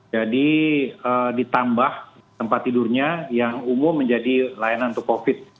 jadi ditambah tempat tidurnya yang umum menjadi layanan untuk covid sembilan belas